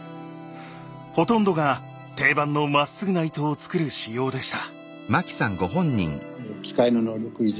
ほとんどが定番のまっすぐな糸を作る仕様でした。